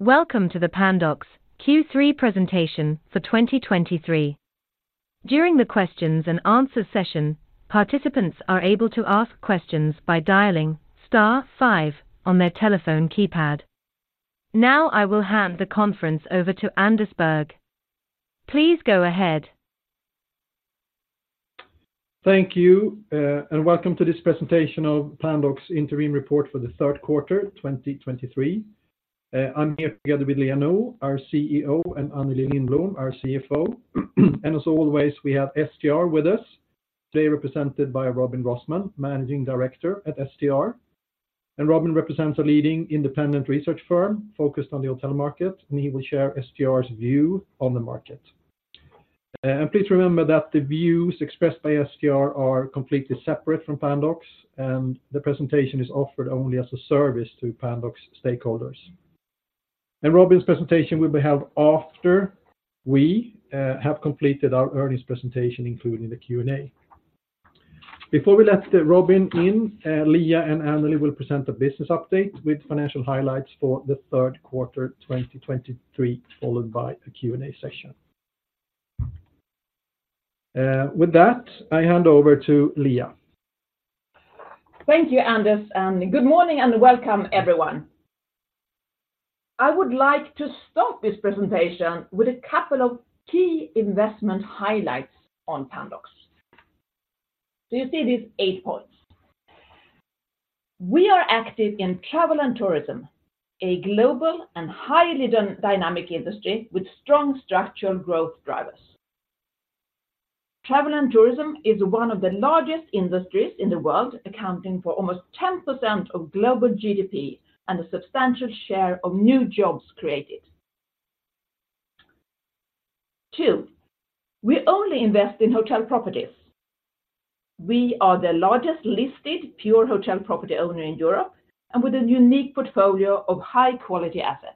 Welcome to the Pandox Q3 presentation for 2023. During the questions and answers session, participants are able to ask questions by dialing star five on their telephone keypad. Now, I will hand the conference over to Anders Berg. Please go ahead. Thank you, and welcome to this presentation of Pandox Interim Report for the third quarter, 2023. I'm here together with Liia Nõu, our CEO, and Anneli Lindblom, our CFO. As always, we have STR with us, today represented by Robin Rossmann, Managing Director at STR. Robin represents a leading independent research firm focused on the hotel market, and he will share STR's view on the market. Please remember that the views expressed by STR are completely separate from Pandox, and the presentation is offered only as a service to Pandox stakeholders. Robin's presentation will be held after we have completed our earnings presentation, including the Q&A. Before we let Robin in, Liia and Anneli will present a business update with financial highlights for the third quarter 2023, followed by a Q&A session. With that, I hand over to Liia. Thank you, Anders, and good morning, and welcome, everyone. I would like to start this presentation with a couple of key investment highlights on Pandox. Do you see these eight points? We are active in travel and tourism, a global and highly dynamic industry with strong structural growth drivers. Travel and tourism is one of the largest industries in the world, accounting for almost 10% of global GDP and a substantial share of new jobs created. Two, we only invest in hotel properties. We are the largest listed pure hotel property owner in Europe and with a unique portfolio of high-quality assets.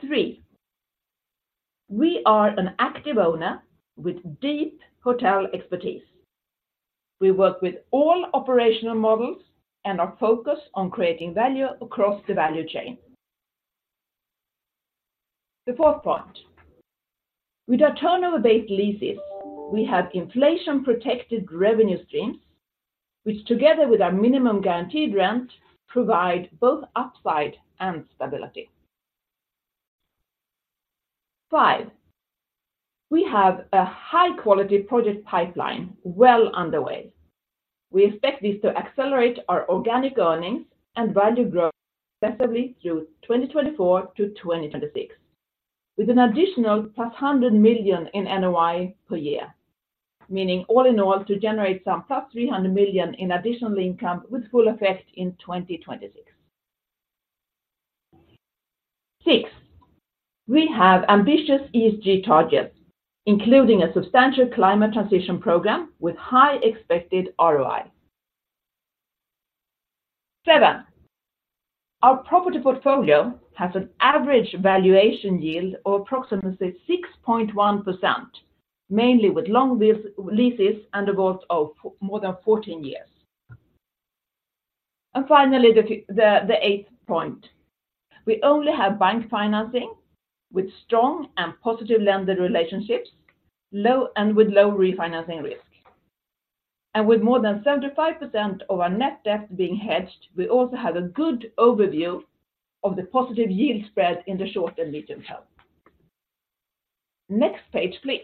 Three, we are an active owner with deep hotel expertise. We work with all operational models and are focused on creating value across the value chain. The fourth point: With our turnover-based leases, we have inflation-protected revenue streams, which, together with our minimum guaranteed rent, provide both upside and stability. Five, we have a high-quality project pipeline well underway. We expect this to accelerate our organic earnings and value growth effectively through 2024 to 2026, with an additional +100 million SEK in NOI per year, meaning all in all, to generate some +300 million SEK in additional income with full effect in 2026. Six, we have ambitious ESG targets, including a substantial climate transition program with high expected ROI. Seven, our property portfolio has an average valuation yield of approximately 6.1%, mainly with long leases and a growth of more than 14 years. And finally, the eighth point: We only have bank financing with strong and positive lender relationships, low, and with low refinancing risk. With more than 75% of our net debt being hedged, we also have a good overview of the positive yield spread in the short and medium term. Next page, please.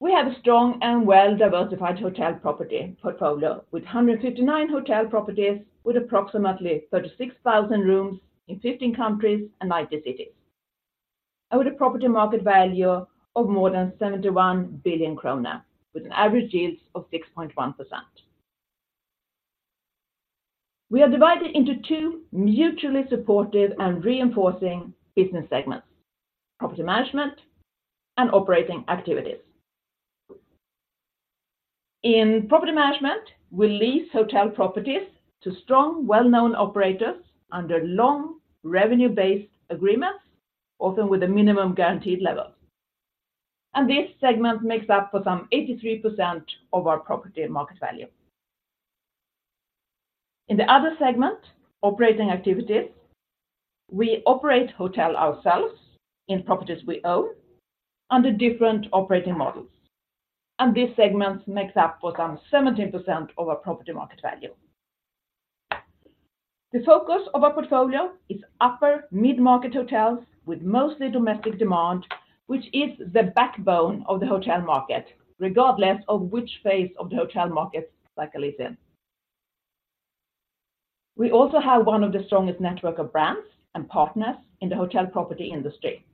We have a strong and well-diversified hotel property portfolio with 159 hotel properties, with approximately 36,000 rooms in 15 countries and 90 cities, and with a property market value of more than 71 billion krona, with an average yield of 6.1%. We are divided into two mutually supportive and reinforcing business segments: property management and operating activities. In property management, we lease hotel properties to strong, well-known operators under long, revenue-based agreements, often with a minimum guaranteed level. This segment makes up for some 83% of our property market value. In the other segment, operating activities, we operate hotel ourselves in properties we own under different operating models, and this segment makes up for some 17% of our property market value. The focus of our portfolio is upper-mid-market hotels with mostly domestic demand, which is the backbone of the hotel market, regardless of which phase of the hotel market cycle is in. We also have one of the strongest network of brands and partners in the hotel property industry.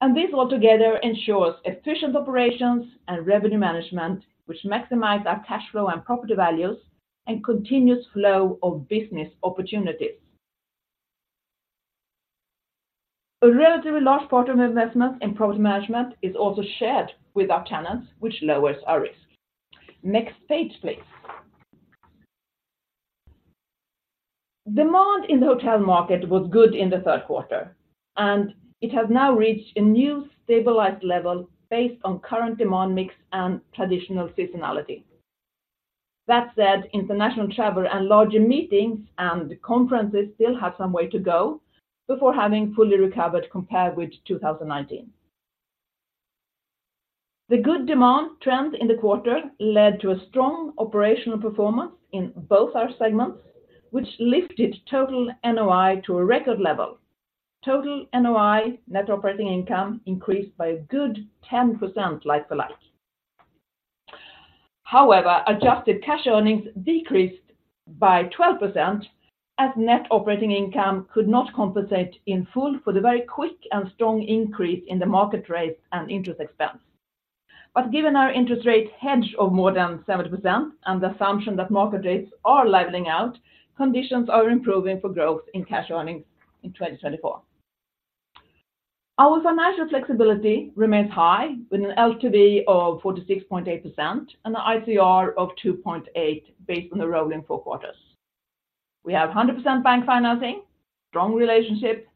And this all together ensures efficient operations and revenue management, which maximize our cash flow and property values and continuous flow of business opportunities. A relatively large part of investment in property management is also shared with our tenants, which lowers our risk. Next page, please. Demand in the hotel market was good in the third quarter, and it has now reached a new stabilized level based on current demand mix and traditional seasonality. That said, international travel and larger meetings and conferences still have some way to go before having fully recovered compared with 2019. The good demand trend in the quarter led to a strong operational performance in both our segments, which lifted total NOI to a record level. Total NOI, net operating income, increased by a good 10% like for like. However, Adjusted cash earnings decreased by 12%, as net operating income could not compensate in full for the very quick and strong increase in the market rate and interest expense. But given our interest rate hedge of more than 70% and the assumption that market rates are leveling out, conditions are improving for growth in cash earnings in 2024. Our financial flexibility remains high, with an LTV of 46.8% and an ICR of 2.8 based on the rolling four quarters. We have 100% bank financing, strong relationship,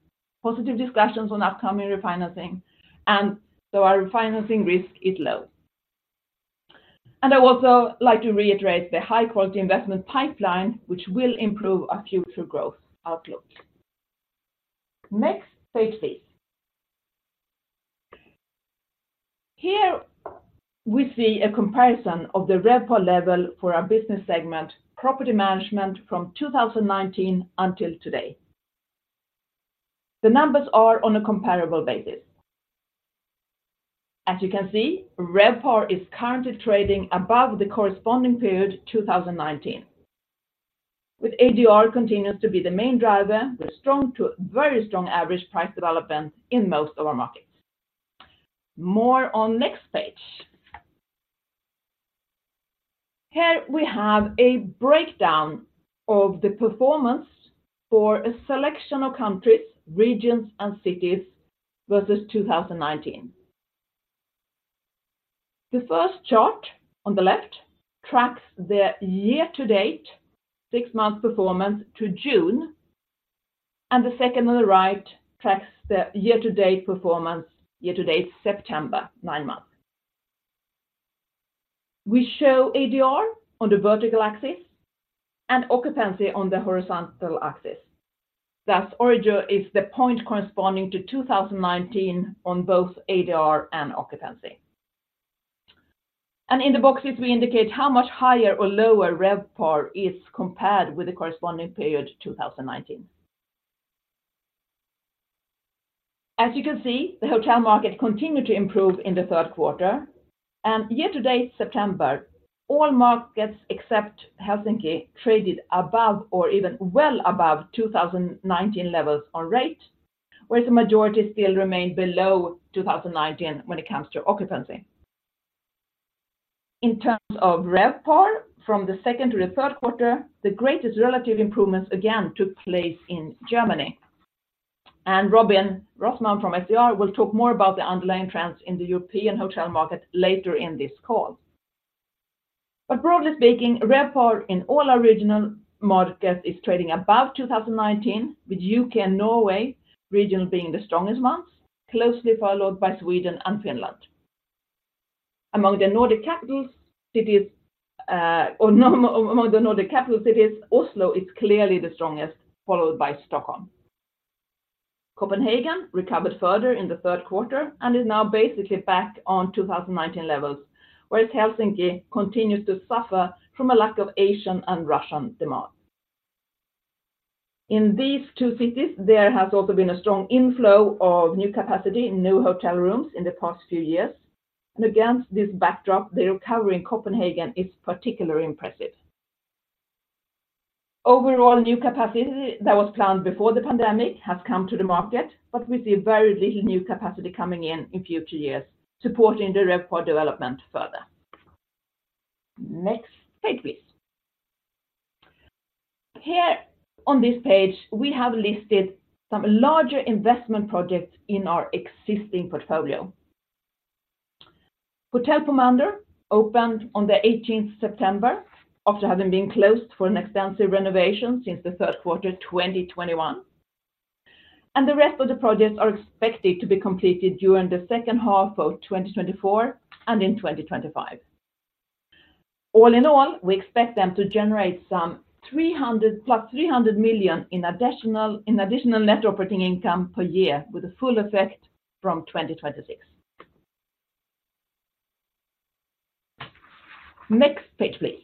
positive discussions on upcoming refinancing, and so our refinancing risk is low. I would also like to reiterate the high-quality investment pipeline, which will improve our future growth outlook. Next page, please. Here, we see a comparison of the RevPAR level for our business segment, property management, from 2019 until today. The numbers are on a comparable basis. As you can see, RevPAR is currently trading above the corresponding period, 2019, with ADR continues to be the main driver, with strong to very strong average price development in most of our markets. More on next page. Here we have a breakdown of the performance for a selection of countries, regions, and cities versus 2019. The first chart on the left tracks the year-to-date six-month performance to June, and the second on the right tracks the year-to-date performance, year-to-date, September, nine-month. We show ADR on the vertical axis and occupancy on the horizontal axis. Thus, origin is the point corresponding to 2019 on both ADR and occupancy. In the boxes, we indicate how much higher or lower RevPAR is compared with the corresponding period, 2019. As you can see, the hotel market continued to improve in the third quarter, and year-to-date, September, all markets except Helsinki traded above or even well above 2019 levels on rate, whereas the majority still remain below 2019 when it comes to occupancy. In terms of RevPAR, from the second to the third quarter, the greatest relative improvements again took place in Germany. And Robin Rossmann from STR will talk more about the underlying trends in the European hotel market later in this call. But broadly speaking, RevPAR in all our regional markets is trading above 2019, with UK and Norway regional being the strongest ones, closely followed by Sweden and Finland. Among the Nordic capital cities, Oslo is clearly the strongest, followed by Stockholm. Copenhagen recovered further in the third quarter and is now basically back on 2019 levels, whereas Helsinki continues to suffer from a lack of Asian and Russian demand. In these two cities, there has also been a strong inflow of new capacity, new hotel rooms in the past few years. And against this backdrop, the recovery in Copenhagen is particularly impressive. Overall, new capacity that was planned before the pandemic has come to the market, but we see very little new capacity coming in in future years, supporting the RevPAR development further. Next page, please. Here on this page, we have listed some larger investment projects in our existing portfolio. Hotel Pomander opened on 18th September, after having been closed for an extensive renovation since the third quarter 2021. And the rest of the projects are expected to be completed during the second half of 2024 and in 2025. All in all, we expect them to generate some 300 + 300 million in additional net operating income per year, with a full effect from 2026. Next page, please.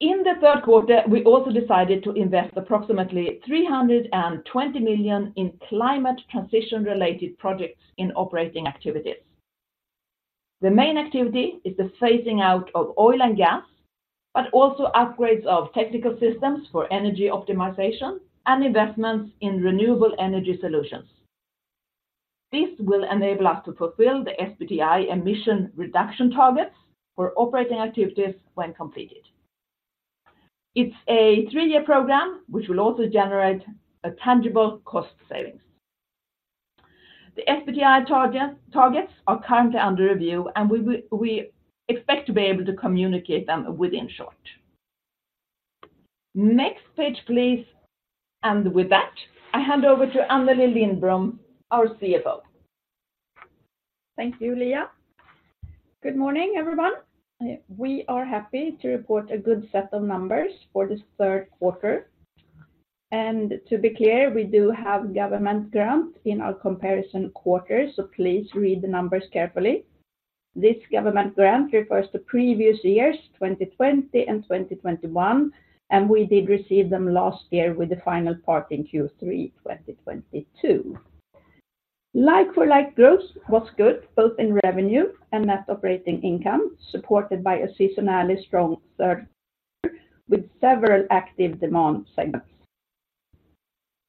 In the third quarter, we also decided to invest approximately 320 million in climate transition-related projects in operating activities. The main activity is the phasing out of oil and gas, but also upgrades of technical systems for energy optimization and investments in renewable energy solutions. This will enable us to fulfill the SBTi emission reduction targets for operating activities when completed. It's a three-year program, which will also generate a tangible cost savings. The SBTi targets are currently under review, and we expect to be able to communicate them within short. Next page, please. And with that, I hand over to Anneli Lindblom, our CFO. Thank you, Liia. Good morning, everyone. We are happy to report a good set of numbers for this third quarter. To be clear, we do have government grant in our comparison quarter, so please read the numbers carefully. This government grant refers to previous years, 2020 and 2021, and we did receive them last year with the final part in Q3 2022. Like for like growth was good, both in revenue and net operating income, supported by a seasonally strong third quarter, with several active demand segments.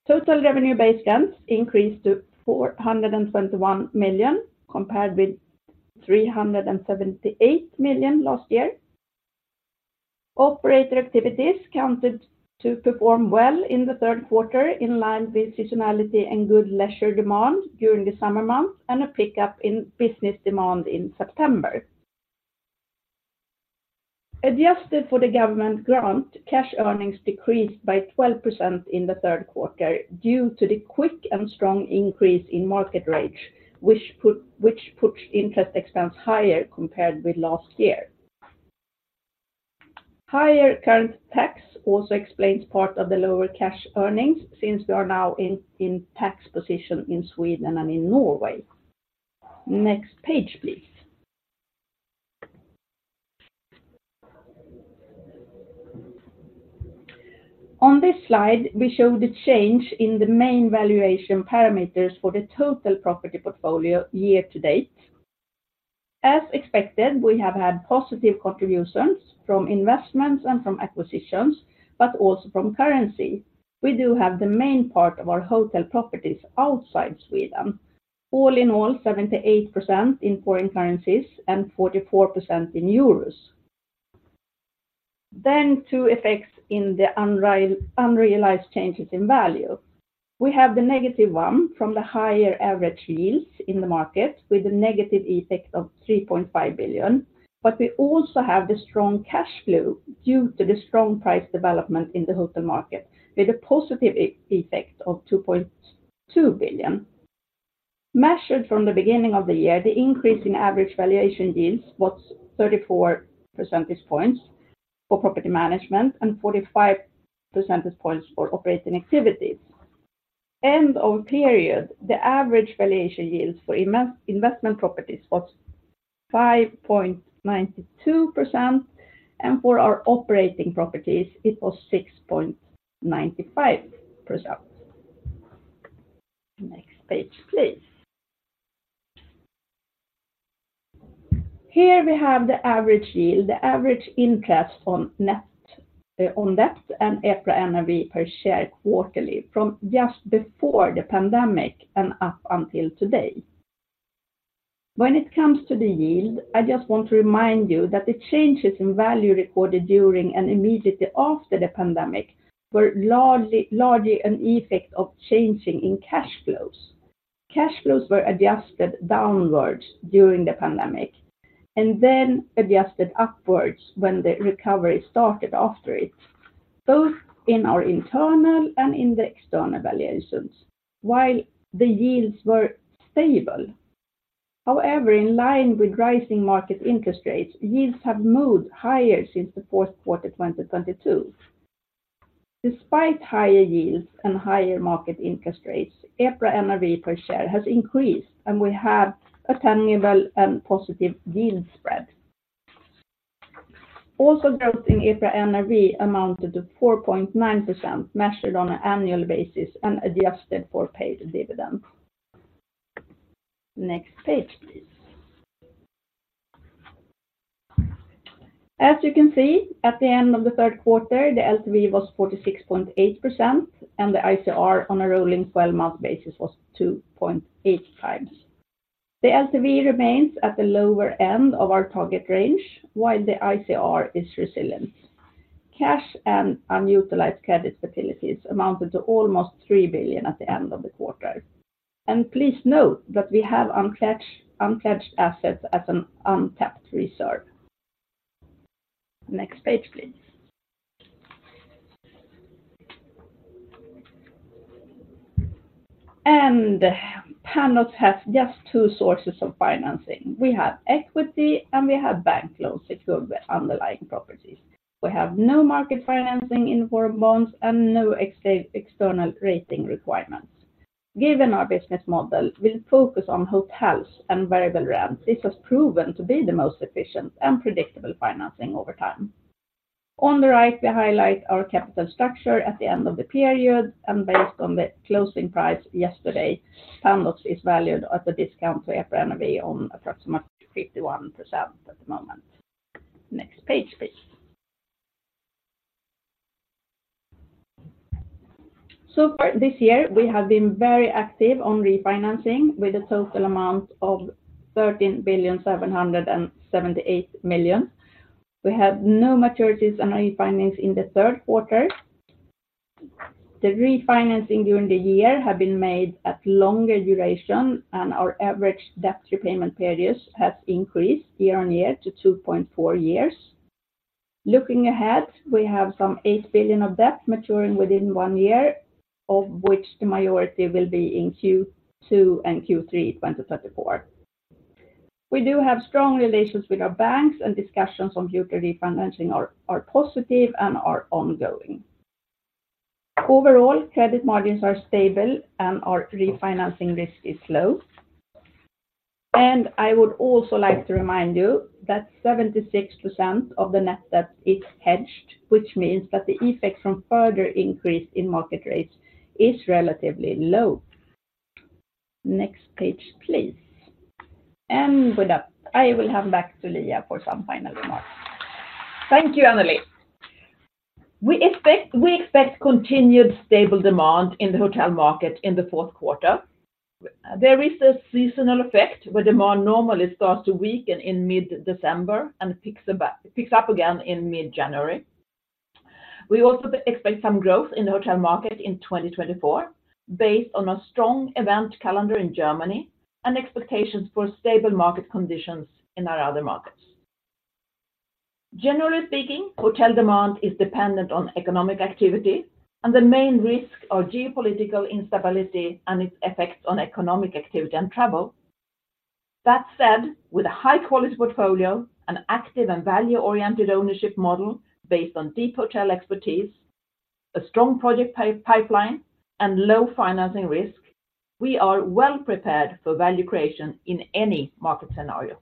Total revenue base rent increased to 421 million, compared with 378 million last year. Operator activities continued to perform well in the third quarter, in line with seasonality and good leisure demand during the summer months, and a pickup in business demand in September. Adjusted for the government grant, cash earnings decreased by 12% in the third quarter due to the quick and strong increase in market rates, which pushed interest expense higher compared with last year. Higher current tax also explains part of the lower cash earnings, since we are now in tax position in Sweden and in Norway. Next page, please. On this slide, we show the change in the main valuation parameters for the total property portfolio year to date. As expected, we have had positive contributions from investments and from acquisitions, but also from currency. We do have the main part of our hotel properties outside Sweden, all in all, 78% in foreign currencies and 44% in euros. Then two effects in the unrealized changes in value. We have the negative one from the higher average yields in the market, with a negative effect of 3.5 billion, but we also have the strong cash flow due to the strong price development in the hotel market, with a positive effect of 2.2 billion. Measured from the beginning of the year, the increase in average valuation yields was 34 percentage points for property management and 45 percentage points for operating activities. End of period, the average valuation yields for investment properties was 5.92%, and for our operating properties, it was 6.95%. Next page, please. Here we have the average yield, the average interest on net, on debt, and EPRA NAV per share quarterly from just before the pandemic and up until today. When it comes to the yield, I just want to remind you that the changes in value recorded during and immediately after the pandemic were largely an effect of changes in cash flows. Cash flows were adjusted downwards during the pandemic, and then adjusted upwards when the recovery started after it, both in our internal and in the external valuations, while the yields were stable. However, in line with rising market interest rates, yields have moved higher since the fourth quarter, 2022. Despite higher yields and higher market interest rates, EPRA NAV per share has increased, and we have a tangible and positive yield spread. Also, growth in EPRA NAV amounted to 4.9%, measured on an annual basis and adjusted for paid dividend. Next page, please. As you can see, at the end of the third quarter, the LTV was 46.8%, and the ICR on a rolling twelve-month basis was 2.8 times. The LTV remains at the lower end of our target range, while the ICR is resilient. Cash and unutilized credit facilities amounted to almost 3 billion at the end of the quarter. And please note that we have unpledged assets as an untapped reserve. Next page, please. And Pandox has just two sources of financing. We have equity and we have bank loans secured with underlying properties. We have no market financing in form of bonds and no external rating requirements. Given our business model, we focus on hotels and variable rent. This has proven to be the most efficient and predictable financing over time. On the right, we highlight our capital structure at the end of the period, and based on the closing price yesterday, Pandox is valued at a discount to EPRA NAV of approximately 51% at the moment. Next page, please. So far this year, we have been very active on refinancing with a total amount of 13,778 million. We have no maturities and refinancings in the third quarter. The refinancing during the year have been made at longer duration, and our average debt repayment periods has increased year-on-year to two point four years. Looking ahead, we have some 8 billion of debt maturing within one year, of which the majority will be in Q2 and Q3, 2024. We do have strong relations with our banks, and discussions on future refinancing are positive and are ongoing. Overall, credit margins are stable and our refinancing risk is low. I would also like to remind you that 76% of the net debt is hedged, which means that the effect from further increase in market rates is relatively low. Next page, please. With that, I will hand back to Liia for some final remarks. Thank you, Anneli. We expect, we expect continued stable demand in the hotel market in the fourth quarter. There is a seasonal effect, where demand normally starts to weaken in mid-December and picks up again in mid-January. We also expect some growth in the hotel market in 2024, based on a strong event calendar in Germany and expectations for stable market conditions in our other markets. Generally speaking, hotel demand is dependent on economic activity, and the main risk are geopolitical instability and its effects on economic activity and travel. That said, with a high-quality portfolio, an active and value-oriented ownership model based on deep hotel expertise, a strong project pipeline, and low financing risk, we are well prepared for value creation in any market scenario.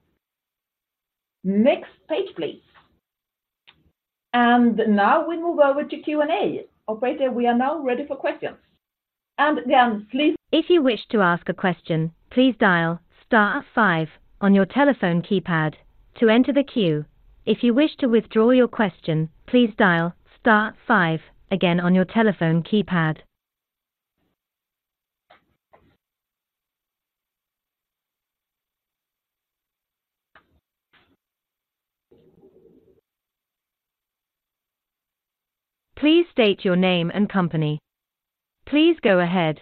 Next page, please. And now we move over to Q&A. Operator, we are now ready for questions. And then please- If you wish to ask a question, please dial star five on your telephone keypad to enter the queue. If you wish to withdraw your question, please dial star five again on your telephone keypad. Please state your name and company. Please go ahead.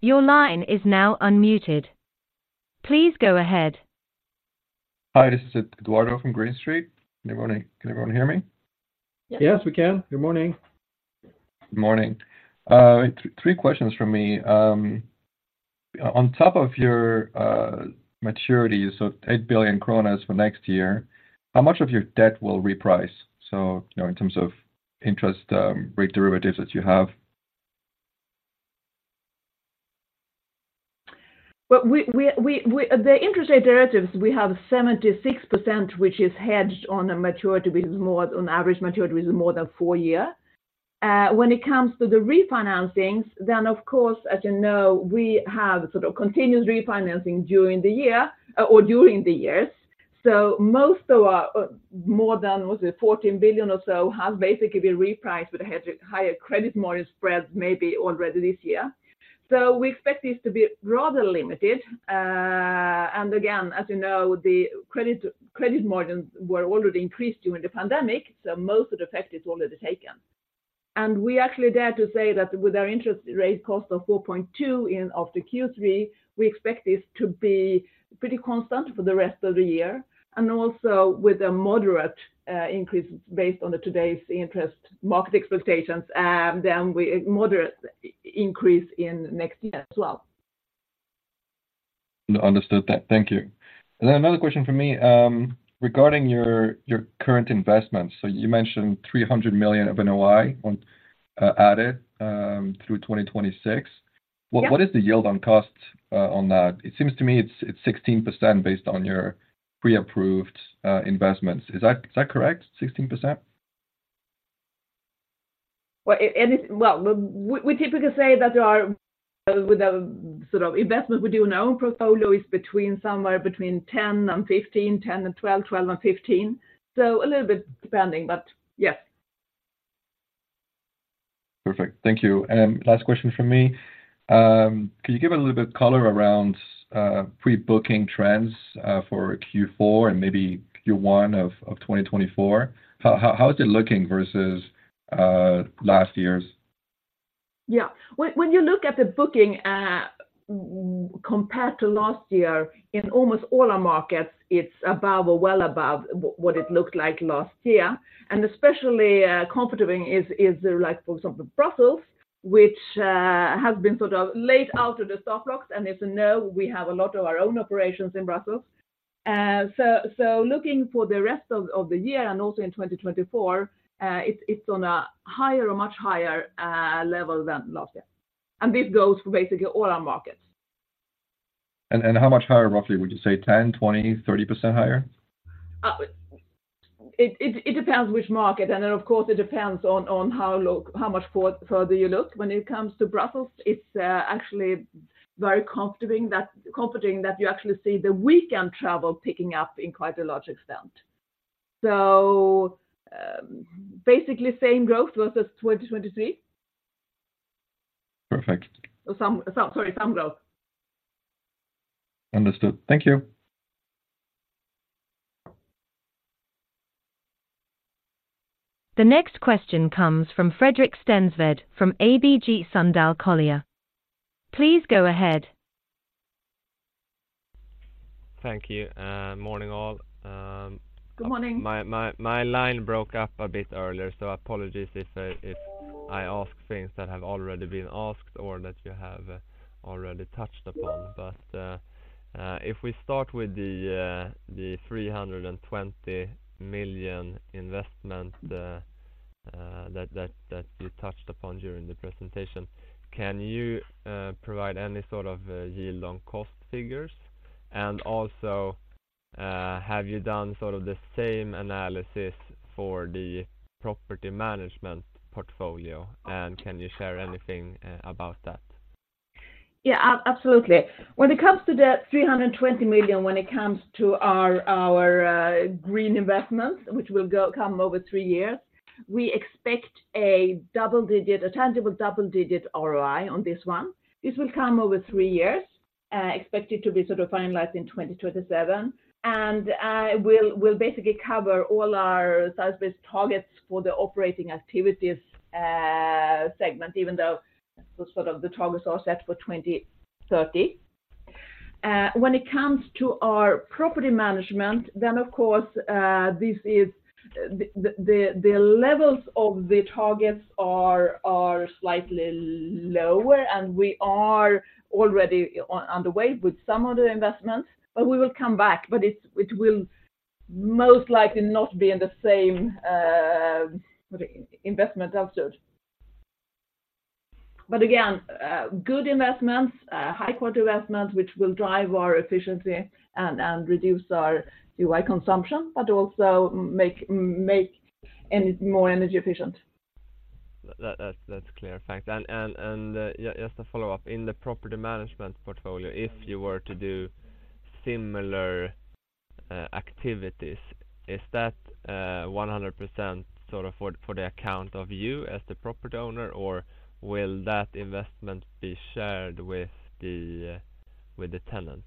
Your line is now unmuted. Please go ahead. Hi, this is Edoardo from Green Street. Good morning. Can everyone hear me? Yes, we can. Good morning. Good morning. Three questions from me. On top of your maturities, so 8 billion kronor for next year, how much of your debt will reprice? So, you know, in terms of interest rate derivatives that you have. Well, we, the interest rate derivatives, we have 76%, which is hedged on a maturity, which is more on average maturity, which is more than four year. When it comes to the refinancings, then of course, as you know, we have sort of continuous refinancing during the year, or during the years. So most of our, more than, was it 14 billion or so, have basically been repriced with a higher credit margin spreads, maybe already this year. So we expect this to be rather limited. And again, as you know, the credit margins were already increased during the pandemic, so most of the effect is already taken. We actually dare to say that with our interest rate cost of 4.2% in and after Q3, we expect this to be pretty constant for the rest of the year, and also with a moderate increase based on today's interest market expectations, and then a moderate increase next year as well. Understood that. Thank you. And then another question from me, regarding your, your current investments. So you mentioned 300 million of NOI added through 2026. Yeah. What, what is the yield on cost on that? It seems to me it's, it's 16% based on your pre-approved investments. Is that, is that correct, 16%? Well, we typically say that there are, with a sort of investment we do in our own portfolio, between somewhere between 10 and 15, 10 and 12, 12 and 15. So a little bit depending, but yes. Perfect. Thank you. And last question from me. Can you give a little bit color around pre-booking trends for Q4 and maybe Q1 of 2024? How is it looking versus last year's? Yeah. When you look at the booking compared to last year, in almost all our markets, it's above or well above what it looked like last year. And especially comforting is the outlook for Brussels, which has been sort of left out to the soft spots. And as you know, we have a lot of our own operations in Brussels. So looking for the rest of the year and also in 2024, it's on a higher or much higher level than last year. And this goes for basically all our markets. And how much higher, roughly, would you say? 10, 20, 30% higher? It depends which market, and then, of course, it depends on how much further you look. When it comes to Brussels, it's actually very comforting that you actually see the weekend travel picking up in quite a large extent. So, basically same growth versus 2023. Perfect. Or some, some, sorry, some growth. Understood. Thank you. The next question comes from Fredrik Stensved from ABG Sundal Collier. Please go ahead. Thank you, and morning, all. Good morning. My line broke up a bit earlier, so apologies if I ask things that have already been asked or that you have already touched upon. But if we start with the 320 million investment that you touched upon during the presentation, can you provide any sort of yield on cost figures? And also, have you done sort of the same analysis for the property management portfolio, and can you share anything about that? Yeah, absolutely. When it comes to the 320 million, when it comes to our green investments, which will come over three years, we expect a tangible double-digit ROI on this one. This will come over three years, expected to be sort of finalized in 2027. And we'll basically cover all our science-based targets for the operating activities segment, even though the sort of the targets are set for 2030. When it comes to our property management, then, of course, this is the levels of the targets are slightly lower, and we are already underway with some of the investments, but we will come back, but it will most likely not be in the same investment output. But again, good investments, high-quality investments, which will drive our efficiency and reduce our energy consumption, but also make more energy efficient. That's clear. Thanks. And just to follow up, in the property management portfolio, if you were to do similar activities, is that 100% sort of for the account of you as the property owner, or will that investment be shared with the tenants?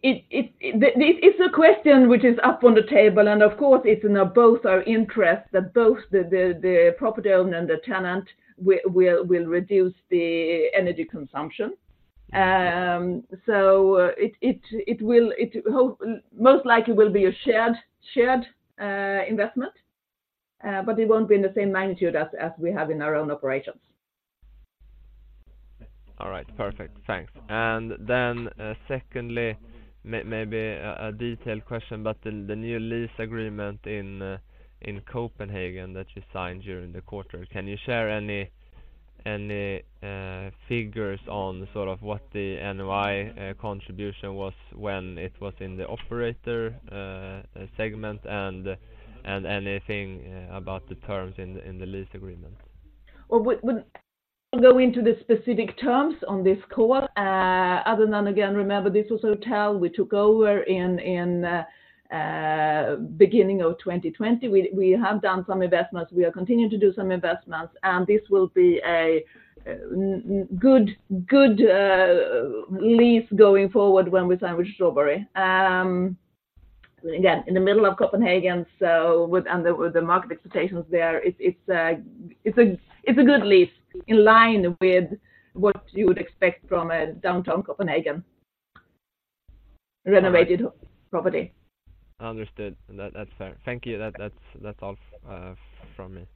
It's a question which is up on the table, and of course, it's in both our interests that both the property owner and the tenant will reduce the energy consumption. So it will most likely be a shared investment, but it won't be in the same magnitude as we have in our own operations. All right. Perfect. Thanks. And then, secondly, maybe a detailed question, but the new lease agreement in Copenhagen that you signed during the quarter, can you share any figures on sort of what the NOI contribution was when it was in the operator segment, and anything about the terms in the lease agreement? Well, we go into the specific terms on this call. Other than, again, remember, this was a hotel we took over in the beginning of 2020. We have done some investments, we are continuing to do some investments, and this will be a good lease going forward when we sign with Strawberry. Again, in the middle of Copenhagen, so with the market expectations there, it's a good lease, in line with what you would expect from a downtown Copenhagen renovated property. Understood. That, that's fair. Thank you. That's all from me.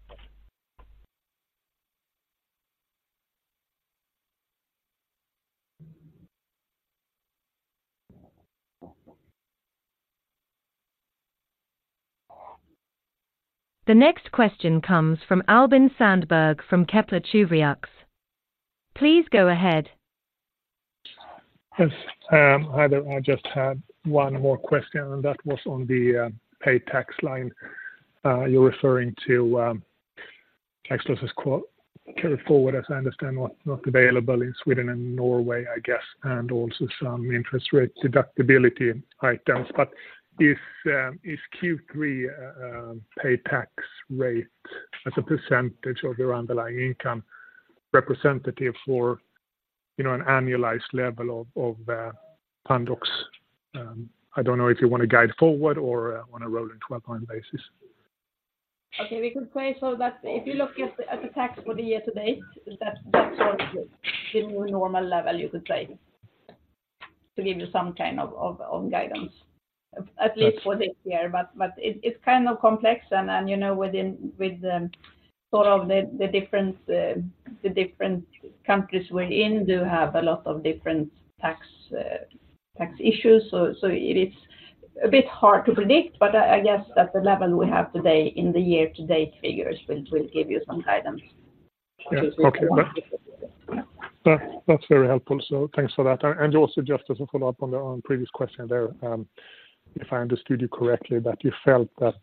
The next question comes from Albin Sandberg, from Kepler Cheuvreux. Please go ahead. Yes, hi there. I just had one more question, and that was on the paid tax line. You're referring to tax losses carry-forward, as I understand, was not available in Sweden and Norway, I guess, and also some interest rate deductibility items. But is Q3 paid tax rate as a percentage of your underlying income representative for an annualized level of Pandox? I don't know if you want to guide forward or on a rolling twelve-month basis. Okay, we could say so that if you look at the tax for the year to date, that's sort of the new normal level you could say, to give you some kind of guidance, at least for this year. Yes. But it is kind of complex and, you know, with the sort of the different countries we're in do have a lot of different tax issues. So it is a bit hard to predict, but I guess that the level we have today in the year-to-date figures will give you some guidance. Okay. That, that's very helpful, so thanks for that. And also, just as a follow-up on the previous question there, if I understood you correctly, that you felt that,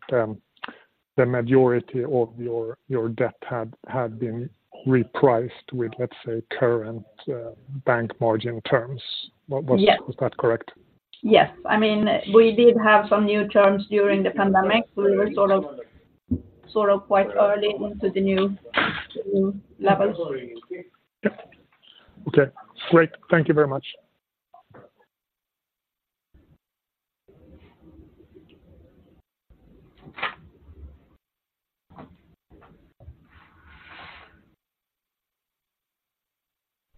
The majority of your debt had been repriced with, let's say, current bank margin terms. What was- Yes. Was that correct? Yes. I mean, we did have some new terms during the pandemic. We were sort of quite early into the new levels. Yep. Okay, great. Thank you very much.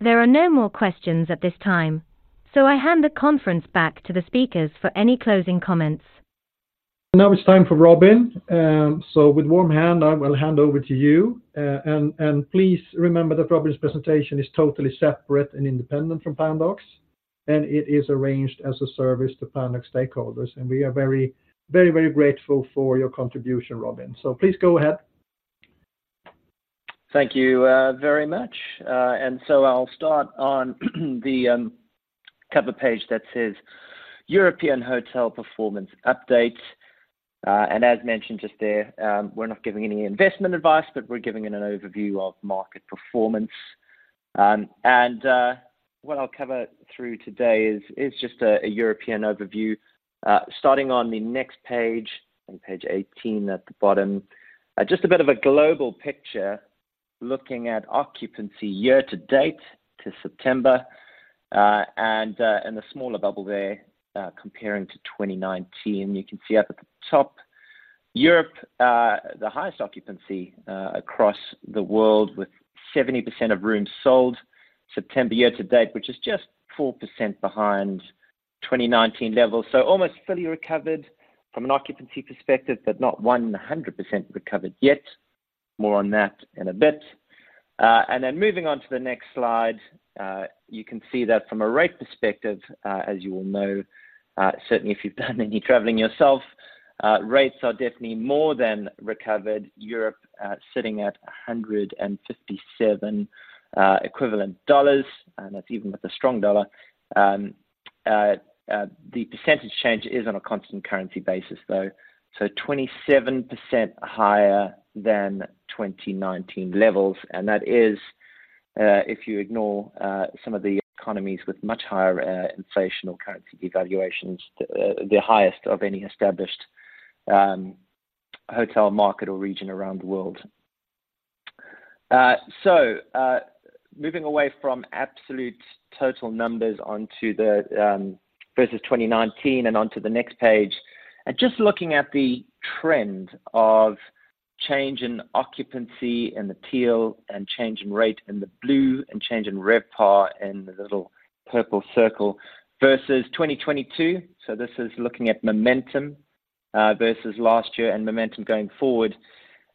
There are no more questions at this time, so I hand the conference back to the speakers for any closing comments. Now it's time for Robin. So with warm hand, I will hand over to you. And please remember that Robin's presentation is totally separate and independent from Pandox, and it is arranged as a service to Pandox stakeholders, and we are very, very, very grateful for your contribution, Robin. So please go ahead. Thank you, very much. So I'll start on the cover page that says European Hotel Performance Update. As mentioned just there, we're not giving any investment advice, but we're giving an overview of market performance. What I'll cover through today is just a European overview. Starting on the next page, on page 18 at the bottom, just a bit of a global picture, looking at occupancy year-to-date to September, and in the smaller bubble there, comparing to 2019. You can see up at the top, Europe, the highest occupancy across the world, with 70% of rooms sold, September year-to-date, which is just 4% behind 2019 levels. So almost fully recovered from an occupancy perspective, but not 100% recovered yet. More on that in a bit. And then moving on to the next slide, you can see that from a rate perspective, as you all know, certainly if you've done any traveling yourself, rates are definitely more than recovered. Europe sitting at $157 equivalent dollars, and that's even with the strong dollar. The percentage change is on a constant currency basis, though, so 27% higher than 2019 levels, and that is, if you ignore some of the economies with much higher inflation or currency devaluations, the highest of any established hotel market or region around the world. So, moving away from absolute total numbers onto the versus 2019 and onto the next page, and just looking at the trend of change in occupancy in the teal and change in rate in the blue and change in RevPAR in the little purple circle versus 2022. So this is looking at momentum versus last year and momentum going forward.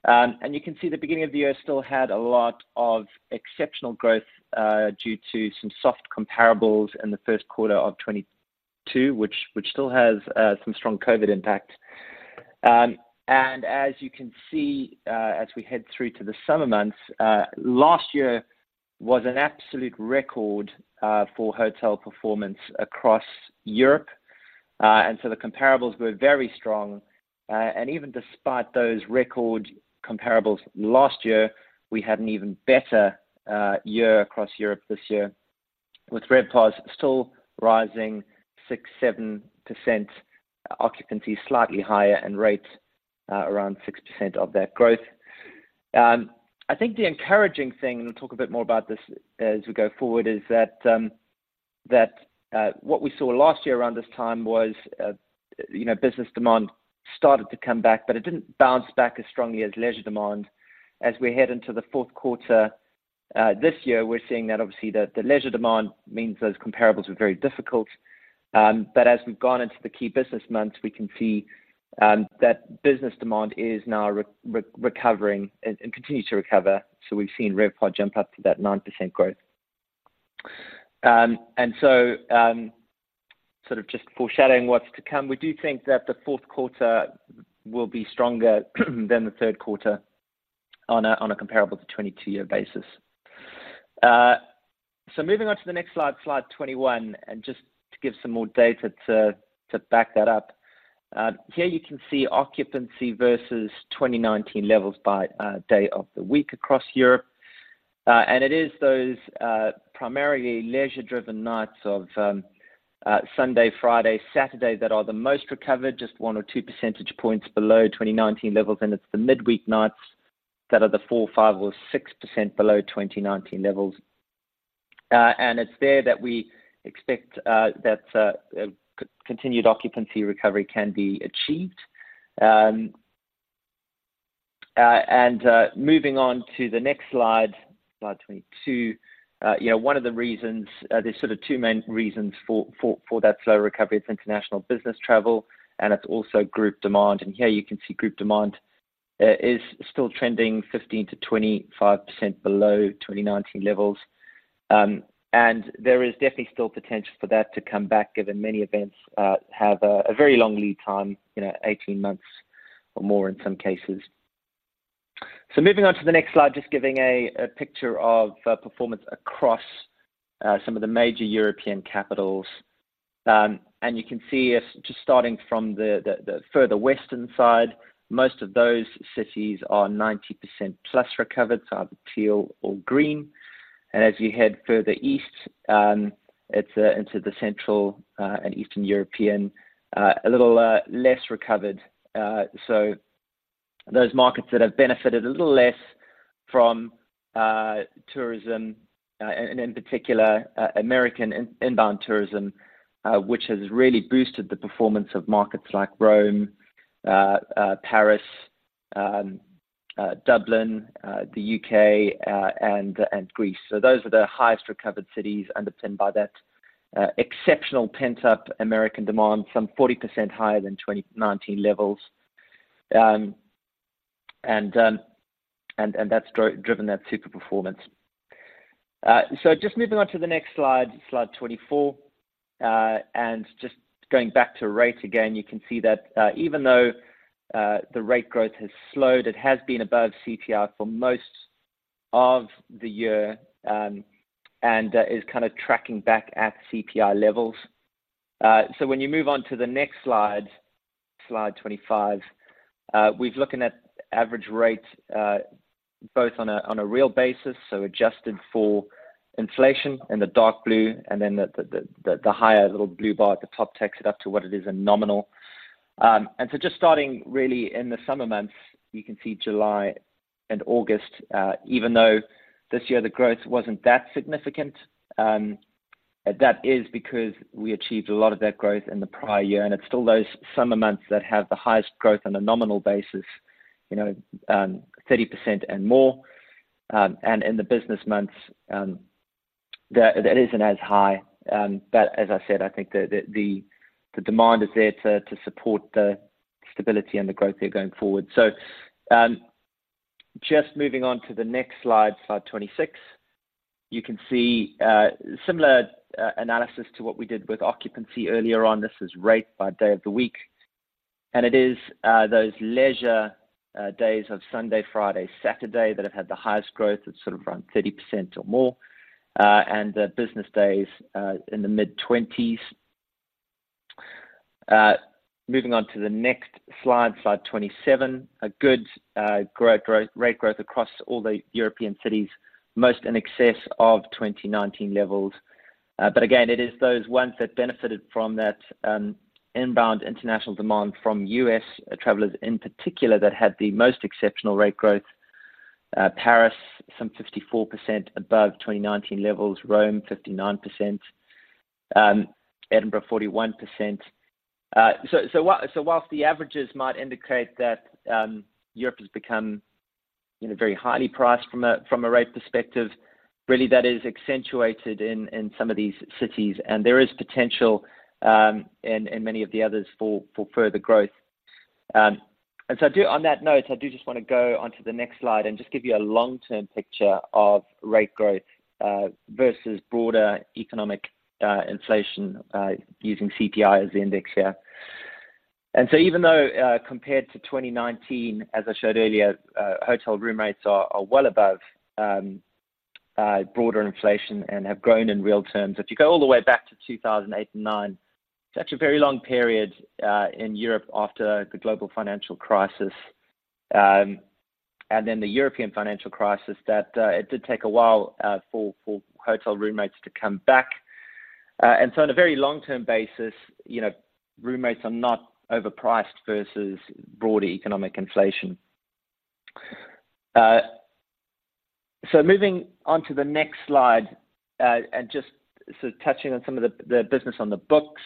And you can see the beginning of the year still had a lot of exceptional growth due to some soft comparables in the first quarter of 2022, which still has some strong COVID impact. And as you can see, as we head through to the summer months, last year was an absolute record for hotel performance across Europe. And so the comparables were very strong. Even despite those record comparables last year, we had an even better year across Europe this year, with RevPARs still rising 6%-7%, occupancy slightly higher, and rates around 6% of that growth. I think the encouraging thing, and we'll talk a bit more about this as we go forward, is that what we saw last year around this time was, you know, business demand started to come back, but it didn't bounce back as strongly as leisure demand. As we head into the fourth quarter this year, we're seeing that obviously the leisure demand means those comparables are very difficult. But as we've gone into the key business months, we can see that business demand is now recovering and continues to recover. So we've seen RevPAR jump up to that 9% growth. And so, sort of just foreshadowing what's to come, we do think that the fourth quarter will be stronger than the third quarter on a comparable to 2022 year basis. So moving on to the next slide, Slide 21, and just to give some more data to back that up. Here you can see occupancy versus 2019 levels by day of the week across Europe. And it is those primarily leisure-driven nights of Sunday, Friday, Saturday, that are the most recovered, just one or two percentage points below 2019 levels, and it's the midweek nights that are the 4%, 5%, or 6% below 2019 levels. And it's there that we expect continued occupancy recovery can be achieved. Moving on to the next slide, Slide 22. You know, one of the reasons. There's sort of two main reasons for that slow recovery. It's international business travel, and it's also group demand. Here you can see group demand is still trending 15%-25% below 2019 levels. And there is definitely still potential for that to come back, given many events have a very long lead time, you know, 18 months or more in some cases. So moving on to the next slide, just giving a picture of performance across some of the major European capitals. And you can see, just starting from the further western side, most of those cities are 90%+ recovered, so either teal or green. As you head further east, it's into the Central and Eastern European a little less recovered. So those markets that have benefited a little less from tourism and in particular American inbound tourism, which has really boosted the performance of markets like Rome, Paris, Dublin, the UK, and Greece. So those are the highest recovered cities, underpinned by that exceptional pent-up American demand, some 40% higher than 2019 levels. And that's driven that super performance. So just moving on to the next slide, Slide 24. And just going back to rate again, you can see that, even though the rate growth has slowed, it has been above CPI for most of the year, and is kind of tracking back at CPI levels. So when you move on to the next slide, Slide 25, we're looking at average rate, both on a real basis, so adjusted for inflation in the dark blue, and then the higher little blue bar at the top takes it up to what it is in nominal. And so just starting really in the summer months, you can see July and August, even though this year the growth wasn't that significant, that is because we achieved a lot of that growth in the prior year, and it's still those summer months that have the highest growth on a nominal basis, you know, 30% and more. And in the business months, that it isn't as high. But as I said, I think the demand is there to support the stability and the growth there going forward. So, just moving on to the next slide, Slide 26. You can see similar analysis to what we did with occupancy earlier on. This is rate by day of the week, and it is those leisure days of Sunday, Friday, Saturday, that have had the highest growth. It's sort of around 30% or more, and the business days in the mid-20s. Moving on to the next slide, Slide 27. A good growth rate growth across all the European cities, most in excess of 2019 levels. But again, it is those ones that benefited from that inbound international demand from U.S. travelers in particular, that had the most exceptional rate growth. Paris, some 54% above 2019 levels. Rome, 59%. Edinburgh, 41%. So while the averages might indicate that, Europe has become, you know, very highly priced from a rate perspective, really, that is accentuated in some of these cities, and there is potential in many of the others for further growth. On that note, I do just want to go onto the next slide and just give you a long-term picture of rate growth versus broader economic inflation using CPI as the index here. And so even though, compared to 2019, as I showed earlier, hotel room rates are well above broader inflation and have grown in real terms. If you go all the way back to 2008 and 2009, it's actually a very long period in Europe after the global financial crisis and then the European financial crisis that it did take a while for hotel room rates to come back. And so in a very long-term basis, you know, room rates are not overpriced versus broader economic inflation. So moving on to the next slide and just sort of touching on some of the business on the books.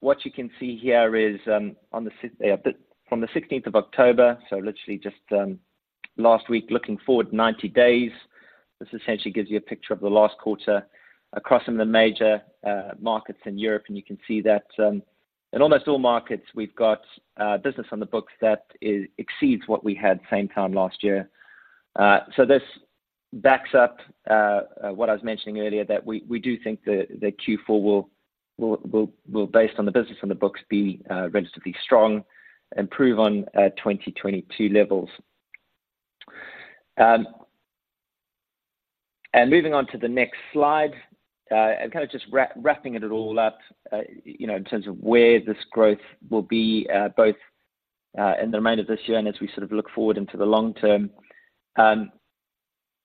What you can see here is from the sixteenth of October, so literally just last week, looking forward 90 days. This essentially gives you a picture of the last quarter across some of the major markets in Europe, and you can see that in almost all markets we've got business on the books that exceeds what we had same time last year. So this backs up what I was mentioning earlier, that we do think that Q4 will based on the business on the books be relatively strong and improve on 2022 levels. And moving on to the next slide, and kind of just wrapping it all up, you know, in terms of where this growth will be both in the remainder of this year and as we sort of look forward into the long term.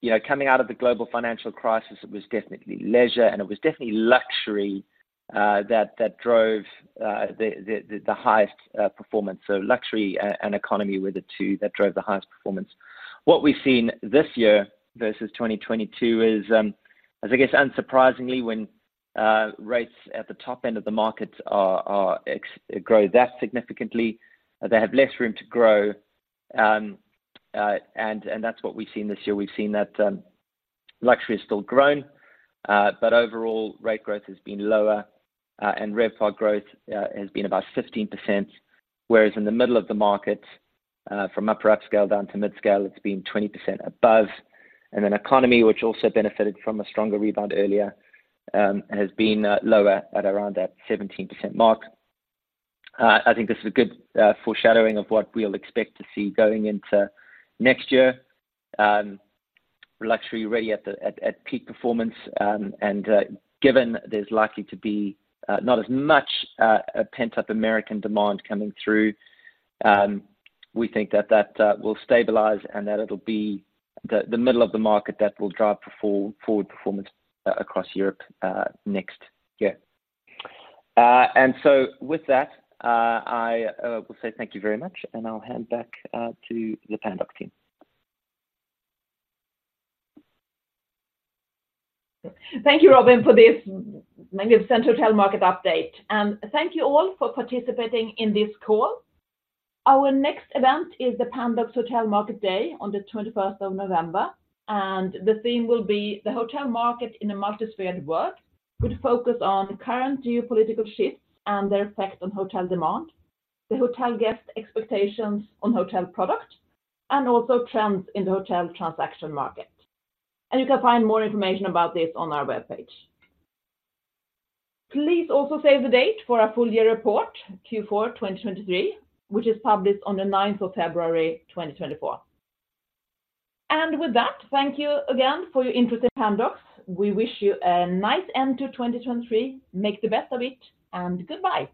You know, coming out of the global financial crisis, it was definitely leisure, and it was definitely luxury that drove the highest performance. So luxury and economy were the two that drove the highest performance. What we've seen this year versus 2022 is, I guess unsurprisingly, when rates at the top end of the markets grow that significantly, they have less room to grow. And that's what we've seen this year. We've seen that luxury has still grown, but overall rate growth has been lower, and RevPAR growth has been about 15%, whereas in the middle of the market, from upper upscale down to midscale, it's been 20% above. And then economy, which also benefited from a stronger rebound earlier, has been lower at around that 17% mark. I think this is a good foreshadowing of what we'll expect to see going into next year. Luxury already at peak performance, and given there's likely to be not as much a pent-up American demand coming through, we think that will stabilize and that it'll be the middle of the market that will drive forward performance across Europe next year. And so with that, I will say thank you very much, and I'll hand back to the Pandox team. Thank you, Robin, for this magnificent hotel market update. And thank you all for participating in this call. Our next event is the Pandox Hotel Market Day on the 21st of November, and the theme will be: The Hotel Market in a Multipolar World, with focus on current geopolitical shifts and their effect on hotel demand, the hotel guest expectations on hotel product, and also trends in the hotel transaction market. And you can find more information about this on our webpage. Please also save the date for our full year report Q4 2023, which is published on the 9th of February 2024. And with that, thank you again for your interest in Pandox. We wish you a nice end to 2023. Make the best of it, and goodbye!